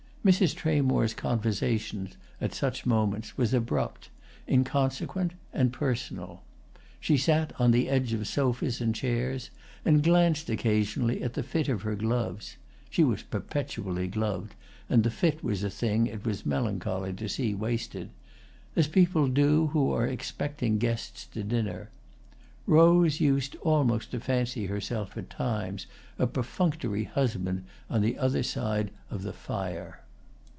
Mrs. Tramore's conversation at such moments was abrupt, inconsequent and personal. She sat on the edge of sofas and chairs and glanced occasionally at the fit of her gloves (she was perpetually gloved, and the fit was a thing it was melancholy to see wasted), as people do who are expecting guests to dinner. Rose used almost to fancy herself at times a perfunctory husband on the other side of the fire.